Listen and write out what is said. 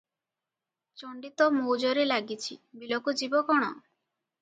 ଚଣ୍ଡି ତ ମୌଜରେ ଲାଗିଛି, ବିଲକୁ ଯିବ କଣ?